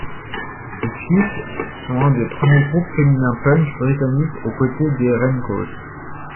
Les Slits sont un des premiers groupes féminins punks britanniques aux côtés des Raincoats.